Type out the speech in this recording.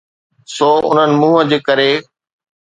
سو انهن منهن جي ڪري.